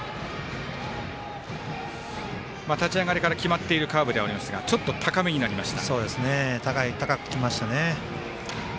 立ち上がりから決まっているカーブではありましたがちょっと高めになりました。